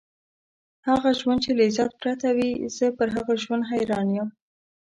هغه ژوند چې له عزت پرته وي، زه پر هغه ژوند حیران یم.